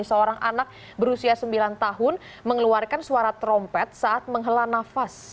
seorang anak berusia sembilan tahun mengeluarkan suara trompet saat menghela nafas